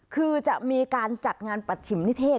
คือจะมีการจัดงานปัชฉิมนิเทศ